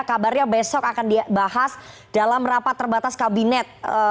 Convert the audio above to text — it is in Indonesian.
kabarnya besok akan dibahas dalam rapat terbatas kabinet